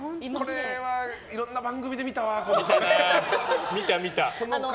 これはいろんな番組で見たわこの壁。